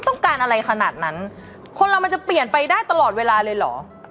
ต้องการอะไรขนาดนั้นคนเรามันจะเปลี่ยนไปได้ตลอดเวลาเลยเหรอ